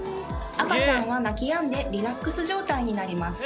赤ちゃんは泣きやんでリラックス状態になります。